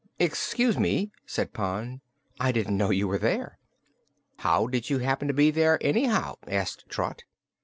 "Excuse me," said Pon. "I didn't know you were there." "How did you happen to be there, anyhow?" asked Trot.